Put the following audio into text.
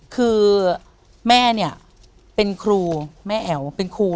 คือแม่เนี่ยเป็นครูแม่แอ๋วเป็นครู